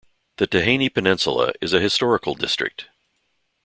The Tihany Peninsula is a historical district.